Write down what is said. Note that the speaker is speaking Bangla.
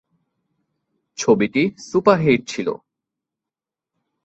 ছবিটি সুপারহিট ছিল।